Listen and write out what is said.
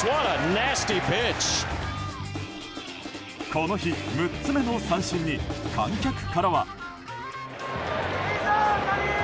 この日、６つ目の三振に観客からは。